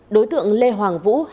đối tượng lê hoàng vũ